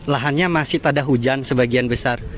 lahannya masih tak ada hujan sebagian besar